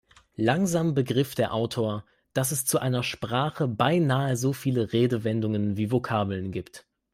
Langsam begriff der Autor, dass es zu einer Sprache beinahe so viele Redewendungen wie Vokabeln gibt.